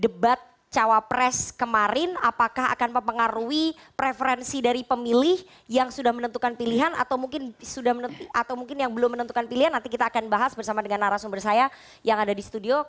debat cawapres kemarin apakah akan mempengaruhi preferensi dari pemilih yang sudah menentukan pilihan atau mungkin sudah atau mungkin yang belum menentukan pilihan nanti kita akan bahas bersama dengan narasumber saya yang ada di studio